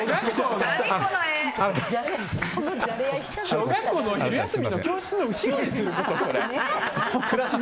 小学校の昼休みの教室の後ろですることよ、それ。